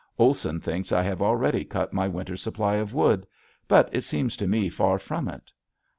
Olson thinks I have already cut my winter's supply of wood but it seems to me far from it.